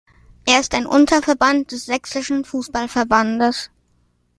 Er ist ein Unterverband des Sächsischen Fußball-Verbandes.